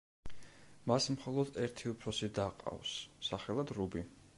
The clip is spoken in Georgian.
მას მხოლოდ ერთი უფროსი და ჰყავს, სახელად რუბი.